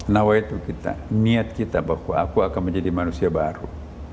nawaitu kita niat kita bahwa aku akan menjadi manusia baru